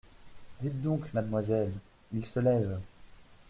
Dites donc, mademoiselle… il se lève…